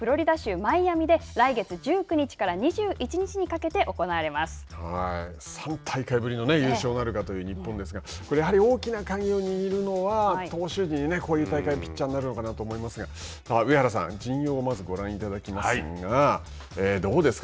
マイアミで来月１９日から２１日にかけて３大会ぶりの優勝なるかという日本ですがやはり大きな鍵を握るのは投手陣こういう大会、ピッチャーになるのかなと思いますが、上原さん、陣容をまずご覧いただきますがどうですか。